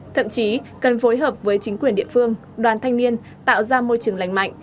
thậm chí cần phối hợp với chính quyền địa phương đoàn thanh niên tạo ra môi trường lành mạnh